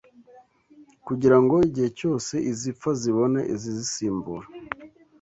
kugira ngo igihe cyose izipfa zibone izizisimbura